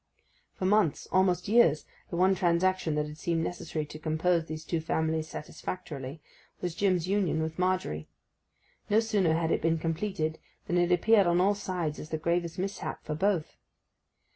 For months—almost years—the one transaction that had seemed necessary to compose these two families satisfactorily was Jim's union with Margery. No sooner had it been completed than it appeared on all sides as the gravest mishap for both.